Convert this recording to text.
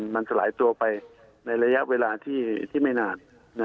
มันสลายตัวไปในระยะเวลาที่ไม่นาน